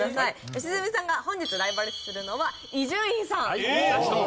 良純さんが本日ライバル視するのは伊集院さんだそうです。